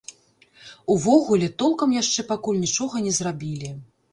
Увогуле, толкам яшчэ пакуль нічога не зрабілі.